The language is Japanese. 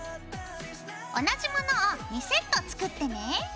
同じものを２セット作ってね。